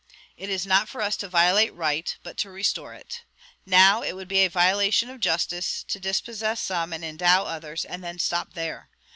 It is not for us to violate right, but to restore it. Now, it would be a violation of justice to dispossess some and endow others, and then stop there.